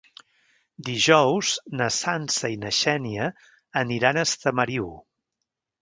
Dijous na Sança i na Xènia aniran a Estamariu.